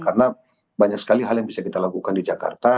karena banyak sekali hal yang bisa kita lakukan di jakarta